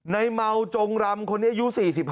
ในเมาจงรำคนนี้อายุ๔๕